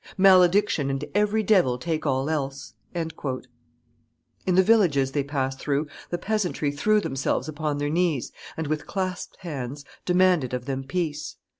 Malediction and every devil take all else!" In the villages they passed through, the peasantry threw themselves upon their knees, and, with clasped hands, demanded of them peace.